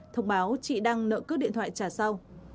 thông báo chị đang nợ cướp điện thoại trả sau